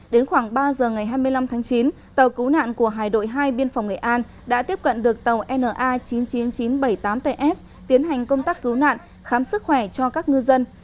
đến khoảng ba giờ ngày hai mươi năm tháng chín tàu cứu nạn của hải đội hai biên phòng nghệ an đã tiếp cận được tàu na chín mươi chín nghìn chín trăm bảy mươi tám ts tiến hành công tác cứu nạn khám sức khỏe cho các ngư dân